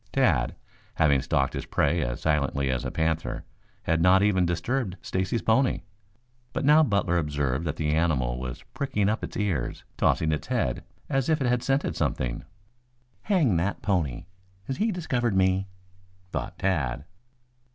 Tad, having stalked his prey as silently as a panther, had not even disturbed Stacy's pony. But now Butler observed that the animal was pricking up its ears, tossing its head as if it had scented something. "Hang that pony. Has he discovered me?" thought Tad.